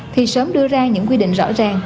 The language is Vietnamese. thì sớm đưa ra những quy định rõ ràng